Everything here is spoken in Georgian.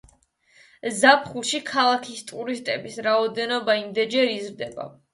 ზაფხულში ქალაქის ტურისტების რაოდენობა რამდენიმეჯერ იზრდება.